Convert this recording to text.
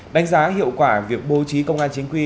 đánh giá hiệu quả việc bố trí công an chính quy